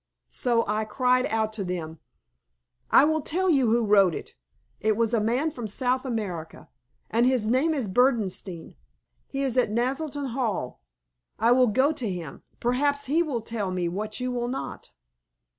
So I cried out to them "I will tell you who wrote it; it was a man from South America, and his name is Berdenstein. He is at Naselton Hall. I will go to him. Perhaps he will tell me what you will not."